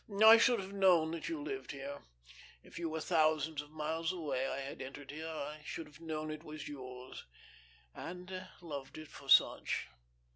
I should have known that you lived here. If you were thousands of miles away and I had entered here, I should have known it was yours and loved it for such."